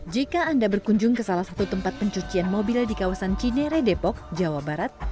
jika anda berkunjung ke salah satu tempat pencucian mobil di kawasan cinere depok jawa barat